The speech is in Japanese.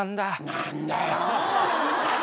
何だよぉ！